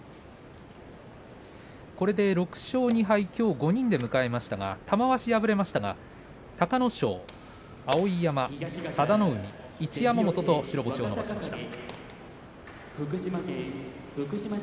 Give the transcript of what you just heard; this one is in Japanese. これで６勝２敗、きょう５人で迎えましたが玉鷲敗れましたが、隆の勝碧山、佐田の海、一山本と白星を伸ばしました。